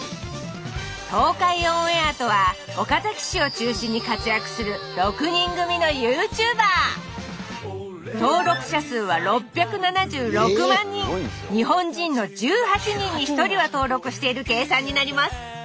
東海オンエアとは岡崎市を中心に活躍する６人組のＹｏｕＴｕｂｅｒ日本人の１８人に１人は登録している計算になります。